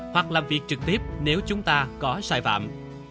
hoặc làm việc trực tiếp nếu chúng ta có sai phạm